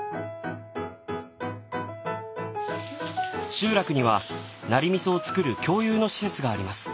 集落にはナリ味噌を作る共有の施設があります。